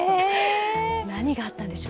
何があったんでしょうね。